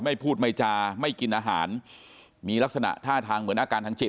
ไม่พูดไม่จาไม่กินอาหารมีลักษณะท่าทางเหมือนอาการทางจิต